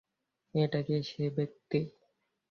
এটা কি সেই ব্যাক্তি?